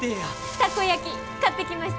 たこ焼き買ってきました！